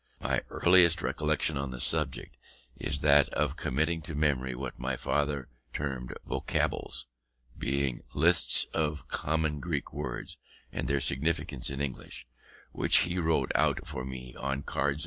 My earliest recollection on the subject, is that of committing to memory what my father termed vocables, being lists of common Greek words, with their signification in English, which he wrote out for me on cards.